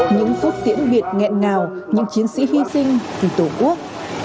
những phút tiễn biệt nghẹn ngào những chiến sĩ hy sinh vì tổ quốc